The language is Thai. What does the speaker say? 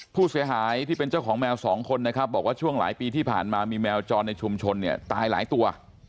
ผู้เสียหายที่เป็นเจ้าของแมวสองคนนะครับบอกว่าช่วงหลายปีที่ผ่านมามีแมวจรในชุมชนเนี่ยตายหลายตัว